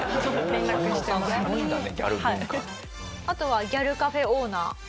あとはギャルカフェオーナー。